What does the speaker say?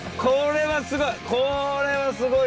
これはすごい！